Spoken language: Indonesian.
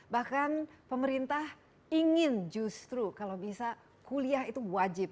bahkan pemerintah ingin justru kalau bisa kuliah itu wajib